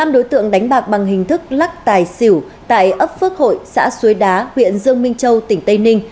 năm đối tượng đánh bạc bằng hình thức lắc tài xỉu tại ấp phước hội xã suối đá huyện dương minh châu tỉnh tây ninh